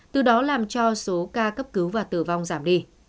từ đó làm cho số ca cấp cứu và tử vong giảm đi